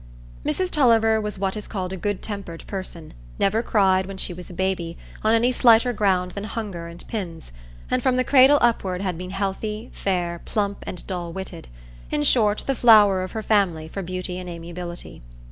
Mrs Tulliver was what is called a good tempered person,—never cried, when she was a baby, on any slighter ground than hunger and pins; and from the cradle upward had been healthy, fair, plump, and dull witted; in short, the flower of her family for beauty and amiability.